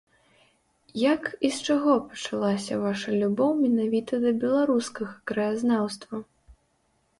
Як і з чаго пачалася ваша любоў менавіта да беларускага краязнаўства?